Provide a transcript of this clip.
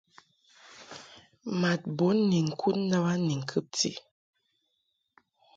Mad bun ni ŋkud ndàb a ni ŋkɨbti.